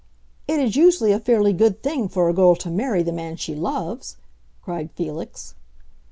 "It is usually a fairly good thing for a girl to marry the man she loves!" cried Felix.